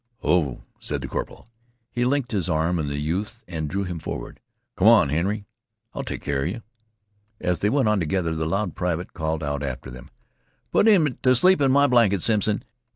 "Oh," said the corporal. He linked his arm in the youth's and drew him forward. "Come on, Henry. I'll take keer 'a yeh." As they went on together the loud private called out after them: "Put 'im t' sleep in my blanket, Simpson.